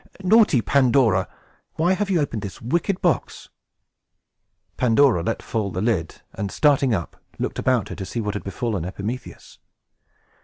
Naughty Pandora! why have you opened this wicked box?" Pandora let fall the lid, and, starting up, looked about her, to see what had befallen Epimetheus.